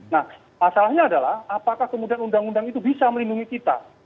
nah masalahnya adalah apakah kemudian undang undang itu bisa melindungi kita